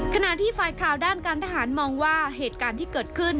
ขณะที่ฝ่ายข่าวด้านการทหารมองว่าเหตุการณ์ที่เกิดขึ้น